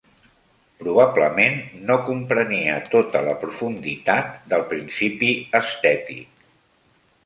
Probablement no comprenia tota la profunditat del principi estètic